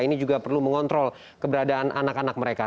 ini juga perlu mengontrol keberadaan anak anak mereka